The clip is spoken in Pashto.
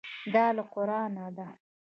دا له قرانه ده.